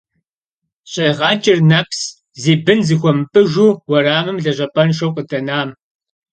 ЩӀегъэкӀыр нэпс зи бын зыхуэмыпӀыжу уэрамым лэжьапӀэншэу къыдэнам…